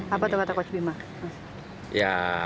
apa tempatnya kus bima